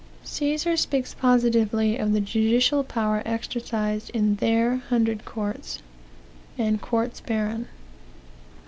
Caesar speaks positively of the judicial power exercised in their hundred courts and courts baron.